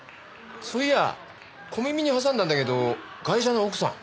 そういや小耳に挟んだんだけどガイシャの奥さん。